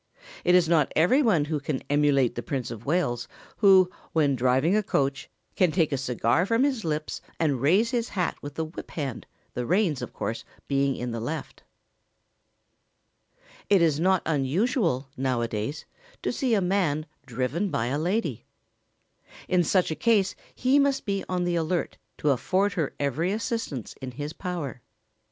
It is not every one who can emulate the Prince of Wales, who, when driving a coach, can take a cigar from his lips and raise his hat with the whip hand, the reins, of course, being in the left. It is not unusual, nowadays, to see a man driven by a lady. [Sidenote: Handing a lady up to her coach seat.] In such a case he must be on the alert to afford her every assistance in his power.